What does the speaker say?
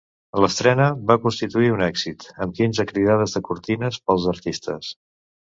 L'estrena va constituir un èxit, amb quinze cridades de cortines pels artistes.